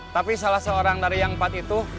tapi salah seorang dari yang empat itu